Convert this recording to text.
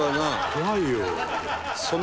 怖いよ。